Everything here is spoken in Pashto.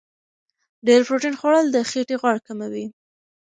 ډېر پروتین خوړل د خېټې غوړ کموي.